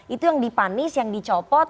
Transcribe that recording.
itu yang dipanis yang dicopot